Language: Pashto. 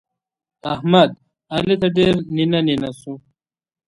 احمد؛ علي ته ډېر نينه نينه سو.